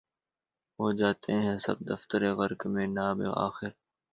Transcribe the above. ہو جاتے ہیں سب دفتر غرق مے ناب آخر